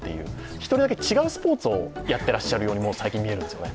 １人だけ違うスポーツをやってらっしゃるようにも最近は見えるんですよね。